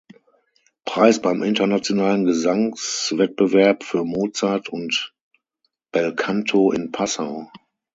Preis beim Internationalen Gesangswettbewerb für Mozart und Belcanto in Passau.